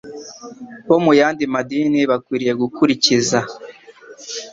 bo mu yandi madini, bakwiriye gukurikiza